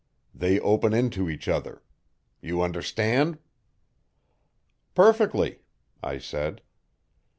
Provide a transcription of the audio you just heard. They open into each other. You understand?" "Perfectly," I said.